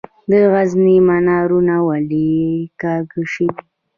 د غزني منارونه ولې کږه شوي؟